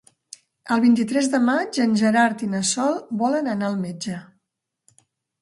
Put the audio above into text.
El vint-i-tres de maig en Gerard i na Sol volen anar al metge.